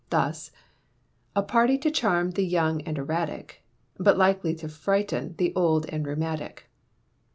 Thus: A Party to charm the young and erratic But likely to frighten the old and rheumatic.